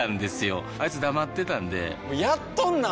あいつ黙ってたんでやっとんなー！